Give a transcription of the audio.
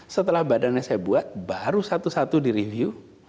setelah badannya saya buat baru satu satu direview